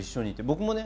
僕もね